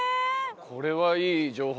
これはいい情報。